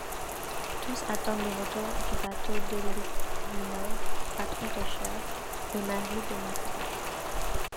Tous attendent le retour du bateau de Litvinov, patron pêcheur et mari de Nathalie.